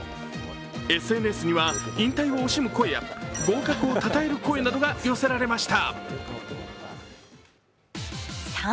ＳＮＳには引退を惜しむ声や合格をたたえる声などが寄せられました。